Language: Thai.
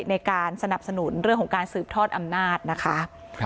ในการสนับสนุนเรื่องของการสืบทอดอำนาจนะคะ